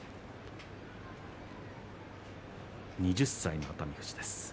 ２０歳の熱海富士です。